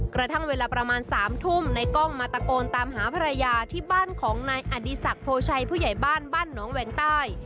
กระทั่งเวลาประมาณ๓ทุ่มในกล้องมาตะโกนตามหาภรรยาที่บ้านของนายอดีศักดิ์โพชัยผู้ใหญ่บ้านบ้านน้องแหวงใต้